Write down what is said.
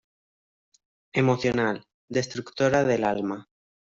Emocional, destructora del alma-".